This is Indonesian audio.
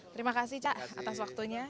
terima kasih cak atas waktunya